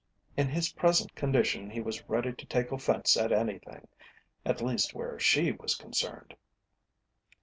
In his present condition he was ready to take offence at anything, at least where she was concerned.